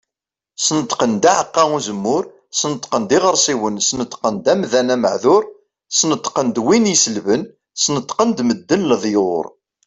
Sneṭqen-d aɛeqqa uzemmur, Sneṭqen-d iɣersiwen, Sneṭqen-d amdan ameɛdur, Sneṭqen-d win iselben, Sneṭqen-d medden leḍyur.